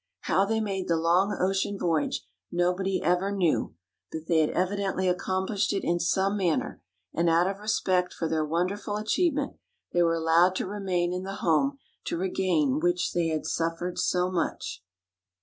How they had made the long ocean voyage nobody ever knew, but they had evidently accomplished it in some manner, and, out of respect for their wonderful achievement, they were allowed to remain in the home to regain which they had suffered so much.